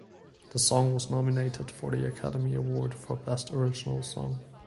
The song was nominated for the Academy Award for Best Original Song.